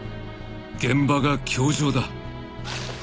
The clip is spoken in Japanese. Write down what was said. ［「現場が教場だ」］